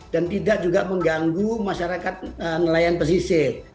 dan tidak juga mengganggu masyarakat nelayan pesisir